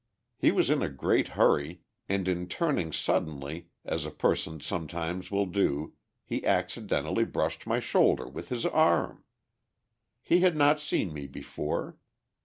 He was in a great hurry, and, in turning suddenly, as a person sometimes will do, he accidentally brushed my shoulder with his arm. He had not seen me before.